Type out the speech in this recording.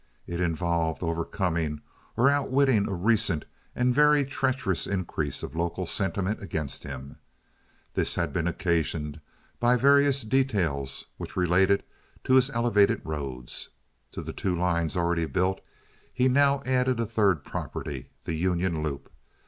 It involved overcoming or outwitting a recent and very treacherous increase of local sentiment against him. This had been occasioned by various details which related to his elevated roads. To the two lines already built he now added a third property, the Union Loop.